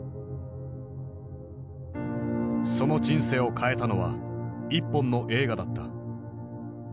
その人生を変えたのは一本の映画だった。